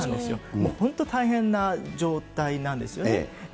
もう本当大変な状態なんですよね。